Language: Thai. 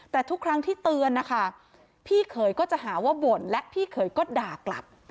แต่ทุกครั้งที่เตือนนะคะพี่เขยก็จะหาว่าบ่นและพี่เขยก็ด่ากลับ